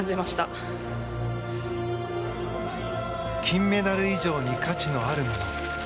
金メダル以上に価値のあるもの。